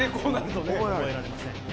覚えられません。